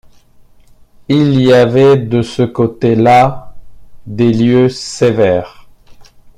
Il y avait de ce côté là des lieux sévères.